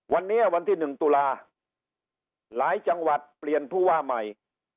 วันนี้วันที่๑ตุลาหลายจังหวัดเปลี่ยนผู้ว่าใหม่